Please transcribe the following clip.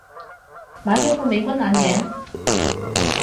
買咗副美軍眼鏡